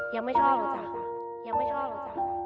ยังไม่ชอบเหรอจ้ะ